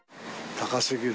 高すぎる。